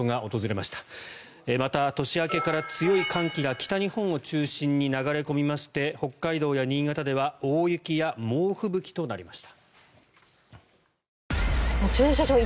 また、年明けから強い寒気が北日本を中心に流れ込みまして北海道や新潟では大雪や猛吹雪となりました。